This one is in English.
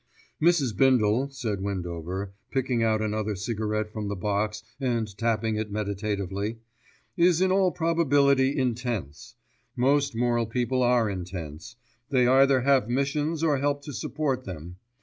"Mrs. Bindle," said Windover, picking out another cigarette from the box and tapping it meditatively, "is in all probability intense. Most moral people are intense. They either have missions or help to support them.